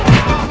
ya saya mau